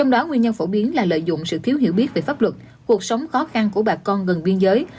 đoàn biên là lợi dụng sự thiếu hiểu biết về pháp luật cuộc sống khó khăn của bà con gần biên giới